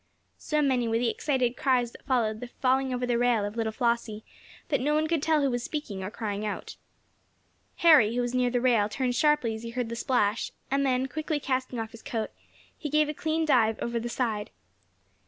So many were the excited cries that followed the falling over the rail of little Flossie, that no one could tell who was speaking, or crying out. Harry, who was near the rail, turned sharply as he heard the splash, and then, quickly casting off his coat, he gave a clean dive over the side.